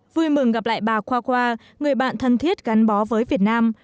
vui mừng gặp lại bà qua qua người bạn thân thiết gắn bó với việt nam